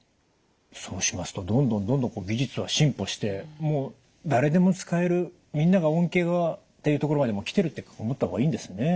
そうしますとどんどんどんどん技術は進歩してもう誰でも使えるみんなが恩恵はっていうところまでもう来てるって思った方がいいんですね。